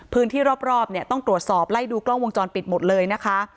พื้นที่รอบเนี่ยต้องตรวจสอบไล่ดูกล้องวงจรปิดหมดเลยนะคะ